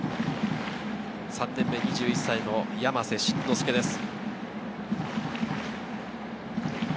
３年目、２１歳の山瀬慎之助です。